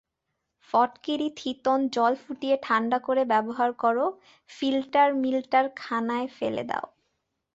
ফটকিরি-থিতোন জল ফুটিয়ে ঠাণ্ডা করে ব্যবহার কর, ফিলটার-মিলটার খানায় ফেলে দাও।